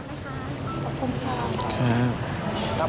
ขอบคุณครับ